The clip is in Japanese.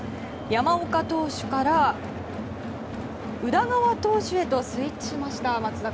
山岡投手から宇田川投手へと続投しました。